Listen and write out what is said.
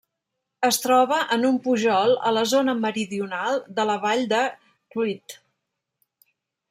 Es troba en un pujol a la zona meridional de la vall de Clwyd.